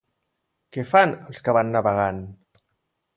Què fan els que van navegant?